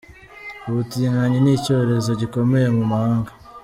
Ubutinganyi ni icyorezo gikomeye mu mahanga.